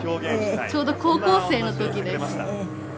ちょうど高校生の時です。